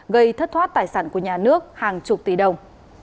gây thất thoát tài sản của nhà nước hàng chục tỷ đồng